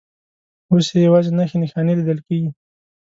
اوس یې یوازې نښې نښانې لیدل کېږي.